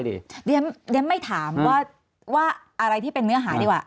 เดี๋ยวไม่ถามว่าอะไรที่เป็นเนื้อหาดีกว่า